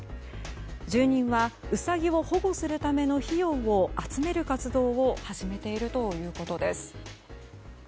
住人はウサギを保護するための費用を集める活動を始めているということです。